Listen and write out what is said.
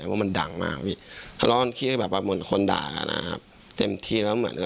ว่ามันดังมากวิถ้าลองคิดแบบว่าเหมือนคนด่ากันนะครับเต็มทีแล้วเหมือนกัน